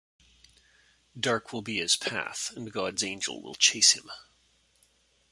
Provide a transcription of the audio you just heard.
Dark will be his path and God's angel will chase him.